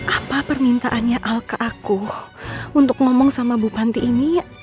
apa permintaannya alka aku untuk ngomong sama bu panti ini